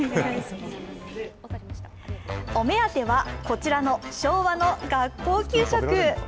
お目当ては、こちらの昭和の学校給食。